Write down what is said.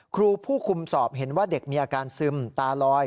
ครูผู้คุมสอบเห็นว่าเด็กมีอาการซึมตาลอย